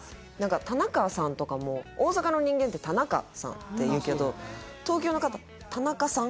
「たなかさん」とかも大阪の人間って「たなかさん」って言うけど東京の方「たなかさん」